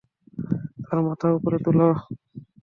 তার মাথা উপরে তোলো!